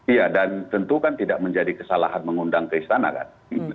iya dan tentu kan tidak menjadi kesalahan mengundang ke istana kan